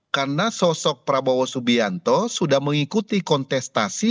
karena sosok prabowo subianto sudah mengikuti kontestasi